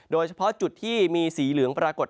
โดยเฉพาะจุดที่มีสีเหลืองปรากฏ